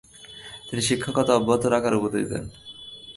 তিনি শিক্ষকতা অব্যাহত রাখার উপদেশ দেন।